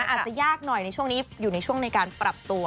อาจจะยากหน่อยในช่วงนี้อยู่ในช่วงในการปรับตัว